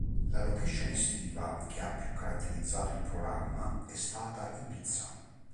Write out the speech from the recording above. La location estiva che ha più caratterizzato il programma è stata Ibiza.